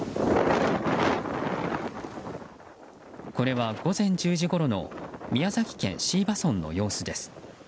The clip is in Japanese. これは午前１０時ごろの宮崎県椎葉村の様子です。